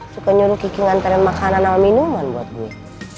suka nyuruh kiki ngantarin makanan sama minuman buat gue